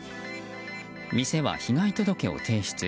店は被害届を提出。